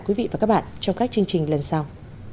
quý vị và các bạn trong các chương trình lần sau